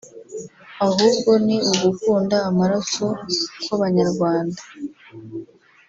ahubwo ni ugukunda amaraso kw’Abanyarwanda